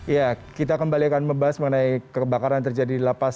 ya kita kembalikan membahas mengenai kebakaran terjadi di la paz